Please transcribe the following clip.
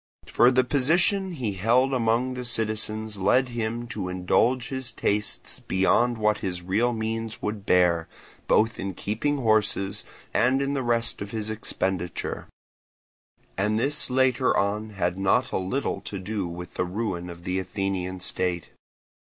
For the position he held among the citizens led him to indulge his tastes beyond what his real means would bear, both in keeping horses and in the rest of his expenditure; and this later on had not a little to do with the ruin of the Athenian state.